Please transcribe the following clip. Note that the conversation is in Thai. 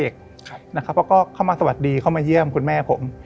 เขาก็เข้ามาสวัสดีเข้ามาเยี่ยมคุณแม่ผม